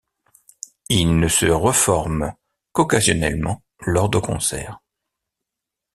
Il ne se reforme qu'occasionnellement lors de concerts.